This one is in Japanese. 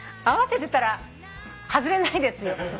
合わせてたら外れないですよ。